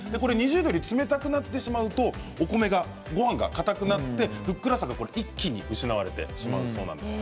２０度より冷たくなるとごはんがかたくなってふっくらさが一気に失われてしまうそうです。